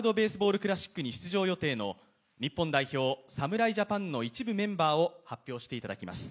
クラシックに出場予定の日本代表、侍ジャパンの一部メンバーを発表していただきます。